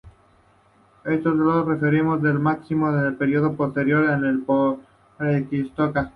Uno de los referentes del marxismo en el período posterior a la perestroika.